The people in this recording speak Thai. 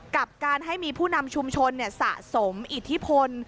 กับการให้มีผู้นำชุมชนสะสมอิทธิพล